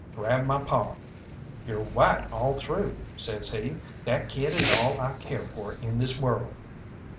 He grabbed my paw. "You're white all through," says he; "that kid is all I care for in this world."